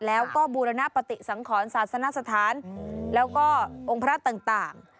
แล้วก็บูรณปฏิสังขรศาสนสถานแล้วก็องค์พระต่าง